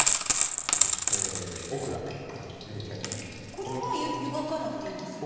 これは湯がかなくていいんですよね？